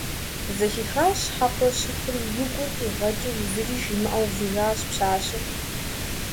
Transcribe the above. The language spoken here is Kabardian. Зэхихар щхьэкӀуэ щыхьури, и гур къигъыкӀыу, зыри жимыӀэу увыжащ пщащэр.